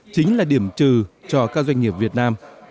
chính là điểm trừ cho các doanh nghiệp việt nam